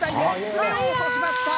４つ目も落としました！